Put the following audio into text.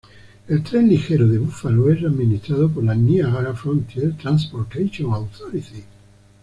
El Tren Ligero de Búfalo es administrado por la Niagara Frontier Transportation Authority.